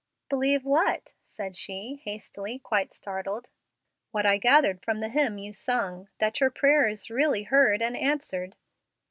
"Believe what?" said she, hastily, quite startled. "What I gathered from the hymn you sung that your prayer is really heard and answered?"